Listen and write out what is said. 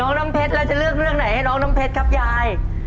น้ำเพชรแล้วจะเลือกเรื่องไหนให้น้องน้ำเพชรครับยาย